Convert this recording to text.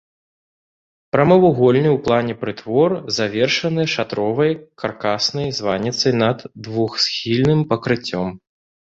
Прамавугольны ў плане прытвор завершаны шатровай каркаснай званіцай над двухсхільным пакрыццём.